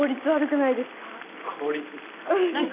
効率っすか？